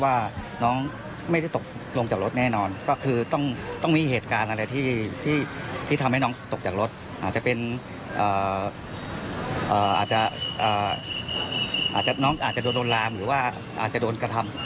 อาจจะโดนลามหรือว่าอาจจะโดนกระทำ